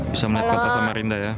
bisa melihat kota samarinda ya